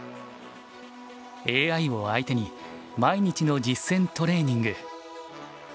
ＡＩを相手に毎日の実戦トレーニング。